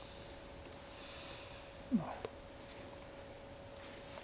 なるほど。